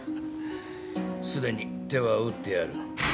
すでに手は打ってある。